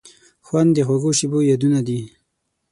خوند د خوږو شیبو یادونه دي.